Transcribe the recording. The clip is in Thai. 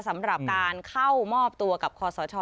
สำหรับการเข้ามอบตัวกับคอสช